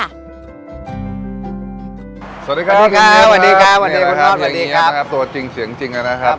สวัสดีครับตัวจริงเสียงจริงนะครับ